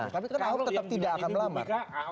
tapi tetap tidak akan melamar